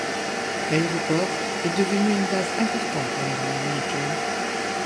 L'aéroport est devenu une base importante pour l'armée américaine.